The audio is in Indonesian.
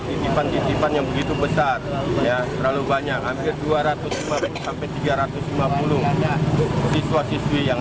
titipan titipan yang begitu besar ya terlalu banyak hampir dua ratus lima belas sampai tiga ratus lima puluh siswa siswi yang